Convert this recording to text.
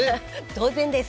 当然です！